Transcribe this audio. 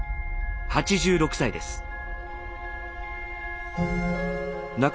８６歳です。